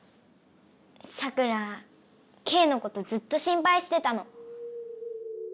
サクラケイのことずっと心ぱいしてたの。